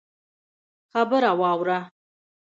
خبره واوره!